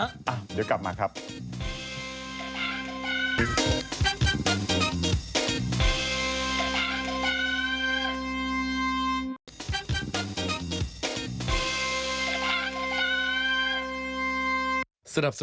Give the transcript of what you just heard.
เดี๋ยวกลับมาครับ